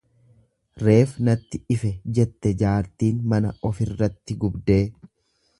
Reef natti ife jette jaartiin mana ofirratti gubdee.